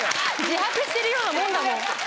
自白してるようなもんだもん。